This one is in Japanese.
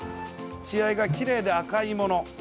血合いがきれいで、赤いもの。